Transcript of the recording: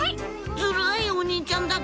ズルいお兄ちゃんだけ」